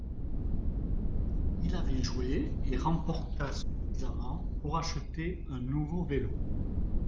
Il avait joué et remporta suffisamment pour acheter un nouveau vélo.